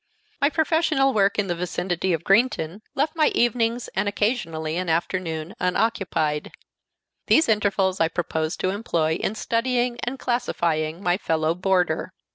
My professional work in the vicinity of Greenton left my evenings and occasionally an afternoon unoccupied; these intervals I purposed to employ in studying and classifying my fellow boarder.